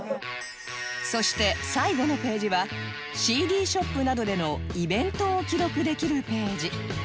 そして最後のページは ＣＤ ショップなどでのイベントを記録できるページ